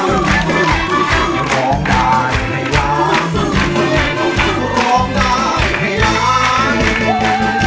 อยู่ด้วยกัน